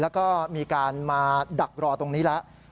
แล้วก็มีการมาดักรอตรงนี้แล้ว